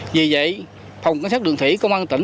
vì vậy phòng cảnh sát đường thủy công an tỉnh